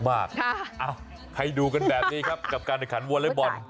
ให้ดูกันแบบนี้ครับกับการแข่งขันวอเล็กบอล